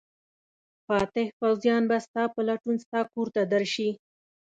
فاتح پوځیان به ستا په لټون ستا کور ته درشي.